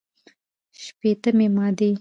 شپېتمې مادې